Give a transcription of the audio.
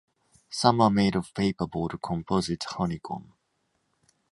Some are made of paperboard composite honeycomb.